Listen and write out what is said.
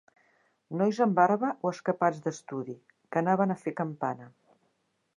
Nois amb barba o escapats d'estudi, que anaven a fer campana